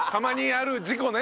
ある？